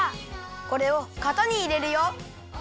これをかたにいれるよ！